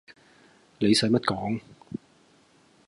你洗乜講